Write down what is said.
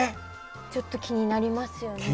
ちょっと気になりますよね。